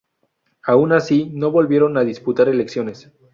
Aun así, no volvieron a disputar elecciones.